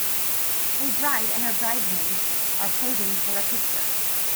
A bride and her bridesmaids are posing for a picture.